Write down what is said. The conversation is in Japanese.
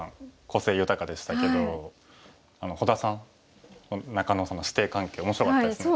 個性豊かでしたけど保田さん中野さんの師弟関係面白かったですね。